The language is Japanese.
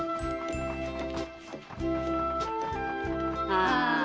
ああ。